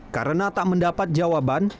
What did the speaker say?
karena tak mendapat jawaban